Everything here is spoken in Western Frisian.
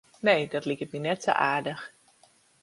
Nee, dat liket my net sa aardich.